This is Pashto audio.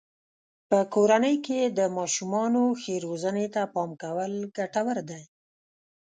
په کورنۍ کې د ماشومانو ښې روزنې ته پام کول ګټور دی.